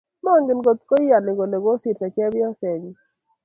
magen kotko iyani kole kosirto chepyosenyi